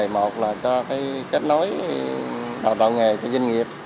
một là cho kết nối đào tạo nghề cho doanh nghiệp